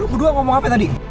berdua ngomong apa tadi